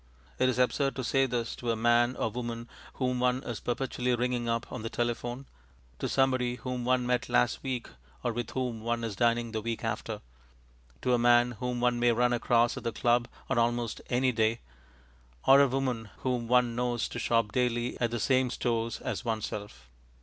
It is absurd to say this to a man or woman whom one is perpetually ringing up on the telephone; to somebody whom one met last week or with whom one is dining the week after; to a man whom one may run across at the club on almost any day, or a woman whom one knows to shop daily at the same stores as oneself.